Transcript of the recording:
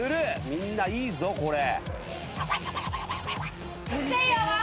みんないいぞこれ。